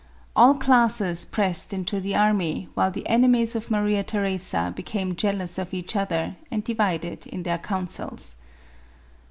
All classes pressed into the army, while the enemies of Maria Theresa became jeal ous of each other, and divided in their councils.